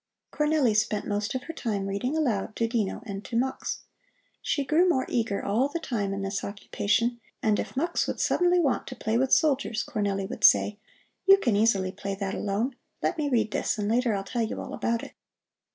Cornelli spent most of her time reading aloud to Dino and to Mux. She grew more eager all the time in this occupation, and if Mux would suddenly want to play with soldiers, Cornelli would say: "You can easily play that alone. Let me read this and later I'll tell you all about it."